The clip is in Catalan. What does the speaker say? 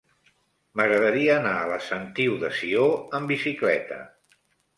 M'agradaria anar a la Sentiu de Sió amb bicicleta.